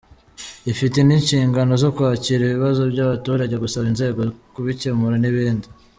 -Ifite n’ishingano zo kwakira ibibazo by’abaturage, gusaba inzego kubikemura n’ibindi.